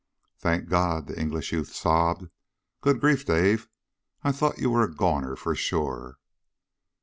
"Thank God!" the English youth sobbed. "Good grief, Dave, I thought you were a goner for sure!"